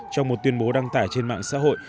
trong một tuyên bố đăng tải trên mạng xã hội